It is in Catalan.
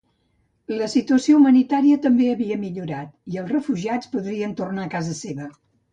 La situació humanitària també havia millorat i els refugiats podrien tornar a casa seva.